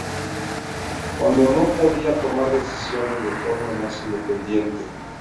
Cuando no, podía tomar decisiones de forma más independiente.